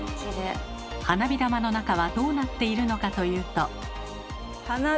花火玉の中はどうなっているのかというと。